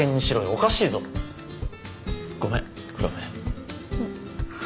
おかしいぞごめん黒目うん